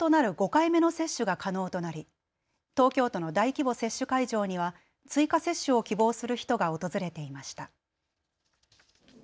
５回目の接種が可能となり東京都の大規模接種会場には追加接種を希望する人が訪れていました。